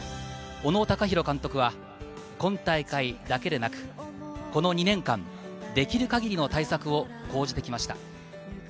小野貴裕監督は今大会だけでなく、この２年間、できる限りの対策を講じてきました。